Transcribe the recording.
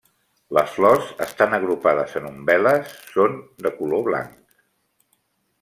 Les flors estan agrupades en umbel·les, són de color blanc.